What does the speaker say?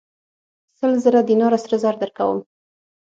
سل زره دیناره سره زر درکوم.